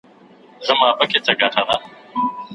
تاسي تل په ارامه ذهن سره خپلو ټولو کارونو ته دوام ورکوئ.